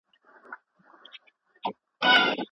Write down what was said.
پخواني قاضیان د وینا بشپړه ازادي نه لري.